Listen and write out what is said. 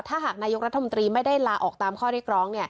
ถ้าหากนายกรัฐมนตรีไม่ได้ลาออกตามข้อเรียกร้อง